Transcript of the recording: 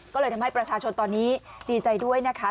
ก็เลยทำให้ประชาชนตอนนี้ดีใจด้วยนะคะ